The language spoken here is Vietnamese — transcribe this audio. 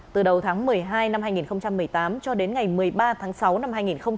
từ đầu tháng một mươi hai năm hai nghìn một mươi tám cho đến ngày một mươi ba tháng sáu năm hai nghìn một mươi chín